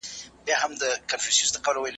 چې ښه افغانان اوسو.